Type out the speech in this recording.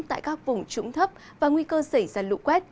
tại các vùng trũng thấp và nguy cơ xảy ra lũ quét